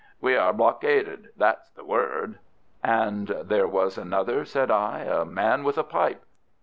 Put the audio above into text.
We are blockaded—that's the word." "And there was another," said I, "a man with a pipe."